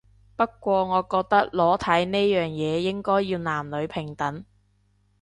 不過我覺得裸體呢樣嘢應該要男女平等